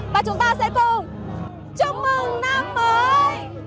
và chúng ta sẽ cùng chúc mừng năm mới